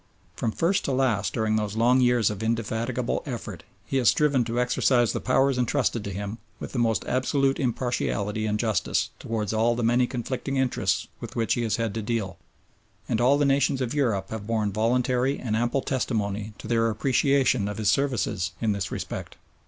From first to last during those long years of indefatigable effort he has striven to exercise the powers entrusted to him with the most absolute impartiality and justice towards all the many conflicting interests with which he has had to deal, and all the nations of Europe have borne voluntary and ample testimony to their appreciation of his services in this respect.